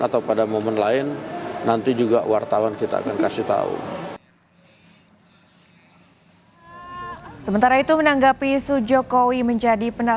atau pada momen lain nanti juga wartawan kita akan kasih tahu sementara itu menanggapi sujokowi menjadi